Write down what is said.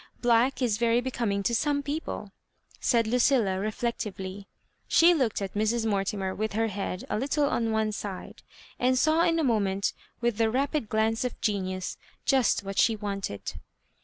Black is very becoming to some people," said Lucilla, reflectively. She looked at Mrs. Mortimer with her head a little on one side, and saw in a moment, with the rapid glance of genius, just what she wanted.